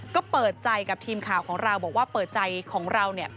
ก็เปิดใจกับทีมข่าวของเราบอกว่าเปิดใจของเรา